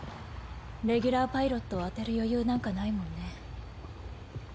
レギュラーパイロットを充てる余裕なんかないもんね。